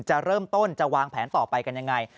จะเริ่มต้นจะวางแผนต่อไปกันยังไง